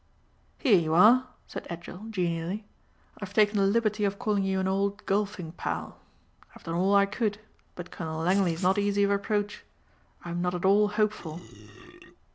"Here you are," said Edgell genially, "I've taken the liberty of calling you an old golfing pal. I've done all I could but Colonel Langley is not easy of approach. I'm not at all hopeful."